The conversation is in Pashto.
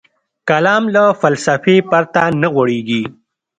کلام له فلسفې پرته نه غوړېږي.